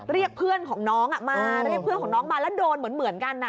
เรียกเพื่อนของน้องมาเรียกเพื่อนของน้องมาแล้วโดนเหมือนกัน